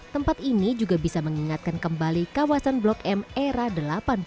tempat ini juga bisa mengingatkan kembali kawasan blok m era delapan puluh